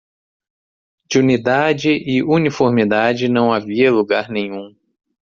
De unidade e uniformidade, não havia lugar nenhum.